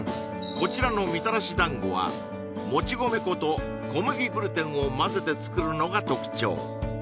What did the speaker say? こちらのみたらし団子は餅米粉と小麦グルテンを混ぜて作るのが特徴